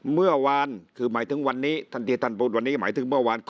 เมื่อวานคือหมายถึงวันนี้ท่านที่ท่านพูดวันนี้หมายถึงเมื่อวาน